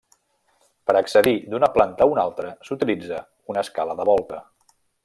Per accedir d'una planta a una altra s'utilitza una escala de volta.